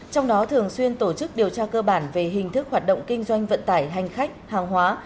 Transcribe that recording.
trong đó thường xuyên tổ chức điều tra cơ bản về hình thức hoạt động kinh doanh vận tải hành khách hàng hóa